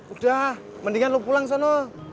udah mendingan lu pulang sana